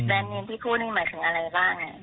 แบรนด์นีนที่พูดนี่หมายถึงอะไรบ้าง